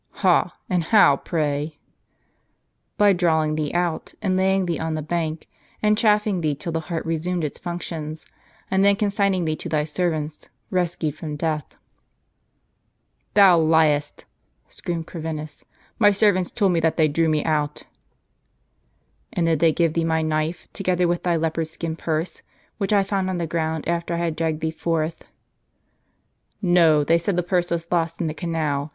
" Ha ! and how, pray ?"" By drawing thee out, and laying thee on the bank, and chafing thee till thy heart resumed its functions; and then consigning thee to thy servants, rescued from death." "Thouliest!" screamed Corvinus; " my servants told me that they drew me out." "And did they give thee my knife, together with thy leopard skin purse, which I found on the ground, after I had dragged thee forth ?"" No ; they said the purse was lost in the canal.